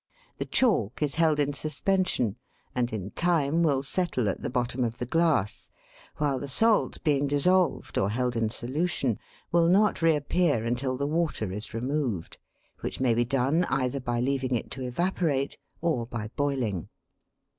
The chalk is held in suspension, and in time will settle at the bottom of the glass, while the salt, being dissolved, or held in solution, will not reappear until the water is removed, which may be done either by leaving it to evaporate or by boiling.